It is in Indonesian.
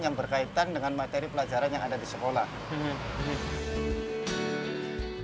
yang berkaitan dengan materi pelajaran yang ada di sekolah